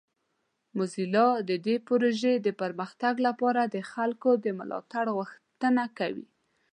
موزیلا د دې پروژې د پرمختګ لپاره د خلکو د ملاتړ غوښتنه کوي.